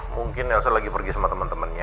mungkin elsa lagi pergi sama temen temennya